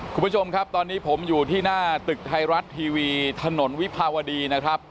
คุณผู้ชมครับตอนนี้ผมอยู่ที่หน้าตึกไทยรัฐทีวีถนนวิภาวดีนะครับ